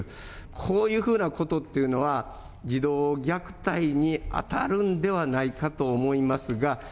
こういうふうなことっていうのは、児童虐待に当たるんではないかと思いますが。